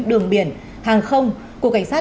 đường biển hàng không của cảnh sát